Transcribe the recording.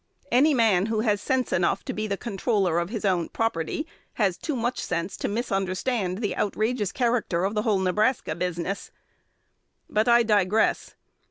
Any man who has sense enough to be the controller of his own property has too much sense to misunderstand the outrageous character of the whole Nebraska business. But I digress.